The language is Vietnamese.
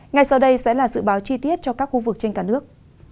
ngay sau đây sẽ là dự báo chi tiết cho các khu vực trên cả nước